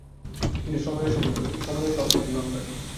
তিনি শ্রমণের শপথ গ্রহণ করেন।